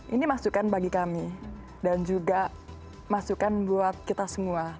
ini masukan bagi kami dan juga masukan buat kita semua